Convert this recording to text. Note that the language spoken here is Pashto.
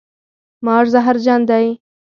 مار زهرجن دی